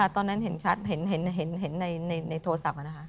ตอนนั้นเห็นชัดเห็นในโทรศัพท์